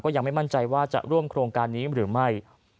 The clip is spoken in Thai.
ยังไม่มั่นใจว่าจะร่วมโครงการนี้หรือไม่